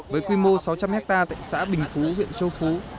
với quy mô sáu trăm linh hectare tại xã bình phú huyện châu phú